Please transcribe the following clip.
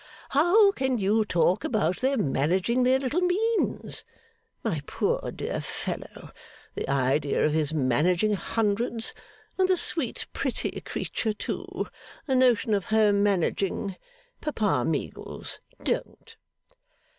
' How can you talk about their managing their little means? My poor dear fellow! The idea of his managing hundreds! And the sweet pretty creature too. The notion of her managing! Papa Meagles! Don't!